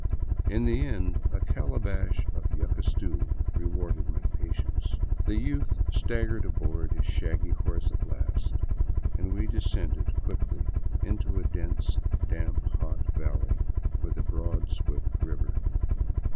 In the end, a calabash of yuca stew rewarded my patience. The youth staggered aboard his shaggy horse at last and we descended quickly into a dense, damp hot valley with a broad, swift river.